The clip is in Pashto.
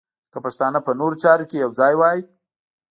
که پښتانه په نورو چارو کې یو ځای وای.